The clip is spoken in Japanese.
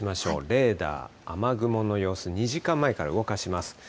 レーダー、雨雲の様子、２時間前から動かします。